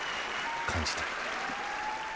感じたい。